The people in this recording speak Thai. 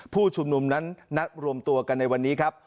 ผู้ชุมนุมนั้นนัดรวมตัวกันในวันนี้ครับ